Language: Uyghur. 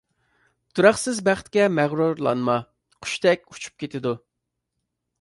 تۇراقسىز بەختكە مەغرۇرلانما قۇشتەك ئۇچۇپ كېتىدۇ.